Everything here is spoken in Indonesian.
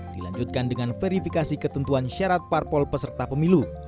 dilanjutkan dengan verifikasi ketentuan syarat parpol peserta pemilu